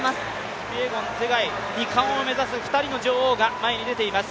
キピエゴン、ツェガイ、２冠を狙う２人の女王が前に出ます。